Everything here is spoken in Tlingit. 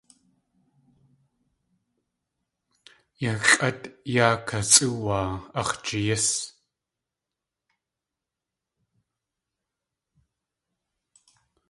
Yaxʼát yá kasʼúwaa ax̲ jeeyís!